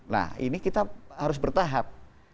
nah ini kita harus bertahap